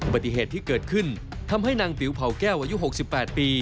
ปฏิเหตุที่เกิดขึ้นทำให้นางติ๋วเผาแก้วอายุ๖๘ปี